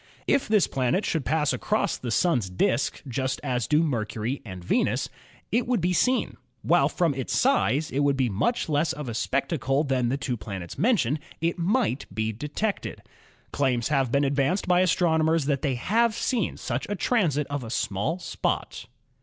If this planet should pass across the Sun's disk just as do Mercury and Venus, it would be 86 ASTRONOMY seen. While from its size it would be much less of a spec tacle than the two planets mentioned, it might be detected. Claims have been advanced by astronomers that they have seen such a transit of a small spot.